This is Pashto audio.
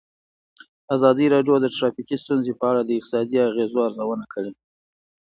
ازادي راډیو د ټرافیکي ستونزې په اړه د اقتصادي اغېزو ارزونه کړې.